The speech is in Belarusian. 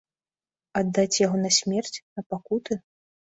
Аддаць яго на смерць, на пакуты?